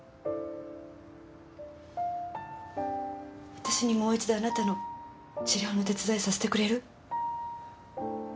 私にもう一度あなたの治療の手伝いさせてくれる？